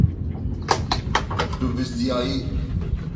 Tu bizdiyayî.